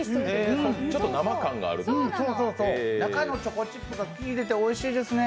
ちょっと生感があるというね。